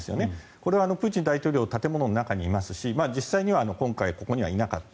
これはプーチン大統領は建物の中にいますし実際には今回、ここにはいなかった。